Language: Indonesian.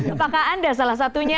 apakah anda salah satunya